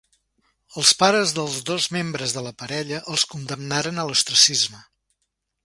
Els pares dels dos membres de la parella els condemnaren a l'ostracisme.